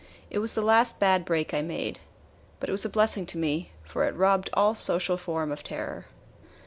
It was the last bad break I made. But it was a blessing to me, for it robbed all social form of terror.